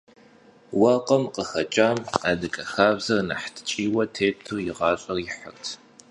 Уэркъым къыхэкӏам адыгэ хабзэм нэхъ ткӏийуэ тету и гъащӏэр ихьырт.